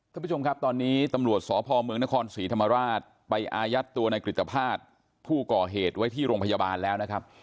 ท่านผู้ชมครับตอนนี้ตำรวจสพเมืองนครศรีธรรมราชไปอายัดตัวในกริตภาษณ์ผู้ก่อเหตุไว้ที่โรงพยาบาลแล้วนะครับ